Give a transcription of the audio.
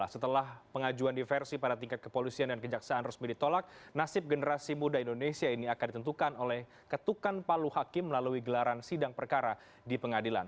setelah pengajuan diversi pada tingkat kepolisian dan kejaksaan resmi ditolak nasib generasi muda indonesia ini akan ditentukan oleh ketukan palu hakim melalui gelaran sidang perkara di pengadilan